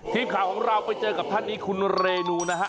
ทีมข่าวของเราไปเจอกับท่านนี้คุณเรนูนะฮะ